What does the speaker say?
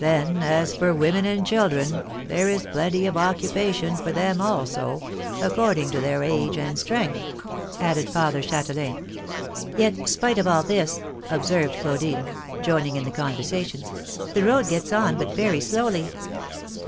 "Then, as for women and children, there is plenty of occupation for them also, according to their age and strength," added Father Châtelain. "Yet, spite of all this," observed Claudine, joining in the conversation, "the road gets on but very slowly."